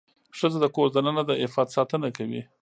ښځه د کور دننه د عفت ساتنه کوي.